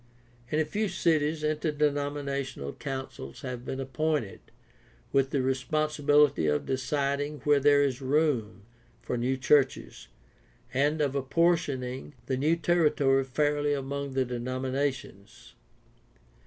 In a few cities inter denominational councils have been appointed with the re sponsibility of deciding where there is room for new churches, and of apportioning the new territory fairly among the denominations.